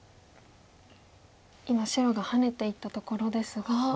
今白がハネていったところですが。